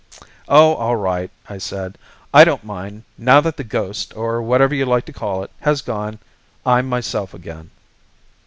"Oh, all right," I said. "I don't mind, now that the ghost, or whatever you like to call it, has gone; I'm myself again."